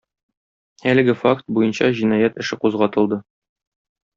Әлеге факт буенча җинаять эше кузгатылды.